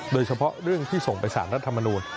โดยเฉพาะเรื่องที่ส่งไปสารรัฐมนูล